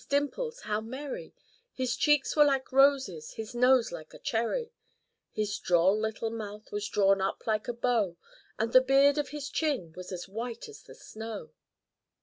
659 His cheeks were like roses, his nose like a cherry ; His droll little mouth was drawn up like a bow, And the beard on his chin was as white as the snow.